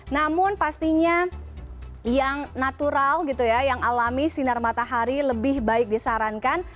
namun pastinya yang natural gitu ya yang alami sinar matahari lebih baik disarankan